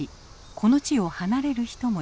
この地を離れる人もいます。